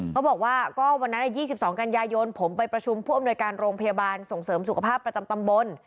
เขาบอกว่าก็วันนั้น๒๒กันยายนผมไปประชุมผู้อำนวยการโรงพยาบาลส่งเสริมสุขภาพประจำตำบล